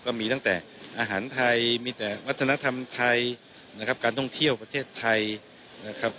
ก็มีตั้งแต่อาหารไทยมีแต่วัฒนธรรมไทยนะครับการท่องเที่ยวประเทศไทยนะครับ